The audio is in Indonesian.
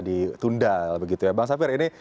ditunda bang safir ini